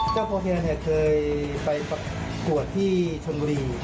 เจ้าโพแทนเคยไปประกวดที่ชนบุรี